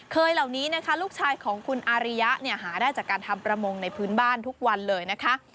เหล่านี้นะคะลูกชายของคุณอาริยะเนี่ยหาได้จากการทำประมงในพื้นบ้านทุกวันเลยนะคะ